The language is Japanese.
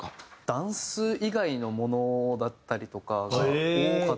ダンス以外のものだったりとかが多かったり。